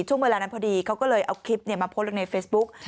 ช่วงเวลานั้นพอดีเขาก็เลยเอาคลิปมาโพสต์ลงในเฟซบุ๊ก